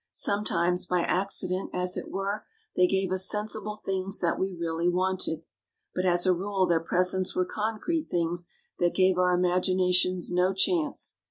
Sometimes, by accident as it were, they gave us sensible things that we really wanted. But as a rule their presents were concrete things that gave our imaginations no chance.